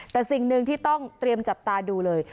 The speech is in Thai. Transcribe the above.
แต่สิ่งหนึ่งที่ต้องเตรียมจับตาดูเลย